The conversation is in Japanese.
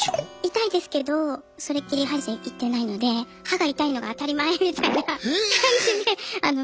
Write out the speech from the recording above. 痛いですけどそれっきり歯医者行ってないので歯が痛いのが当たり前みたいな感じで。